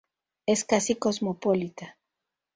Es casi cosmopolita.